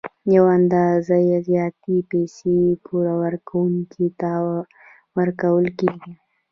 یوه اندازه زیاتې پیسې پور ورکوونکي ته ورکول کېږي